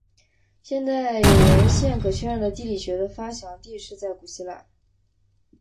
现在有文献可确认的地理学的发祥地是在古代希腊。